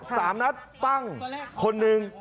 สามนัดปั้งคนหนึ่ง